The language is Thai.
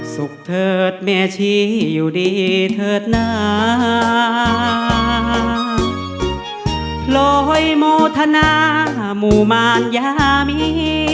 สุขเถิดแม่ชีอยู่ดีเถิดหนาลอยโมทนาหมู่มารยามี